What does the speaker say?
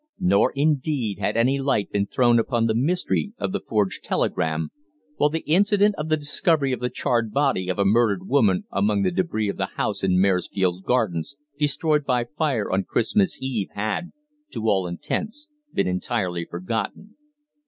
Nor, indeed, had any light been thrown upon the mystery of the forged telegram, while the incident of the discovery of the charred body of a murdered woman among the débris of the house in Maresfield Gardens destroyed by fire on Christmas Eve had, to all intents, been entirely forgotten.